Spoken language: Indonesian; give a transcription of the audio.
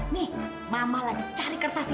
nih mama lagi cari kertas ini